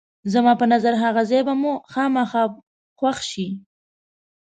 زما په نظر هغه ځای به مو خامخا خوښ شي.